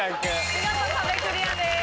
見事壁クリアです。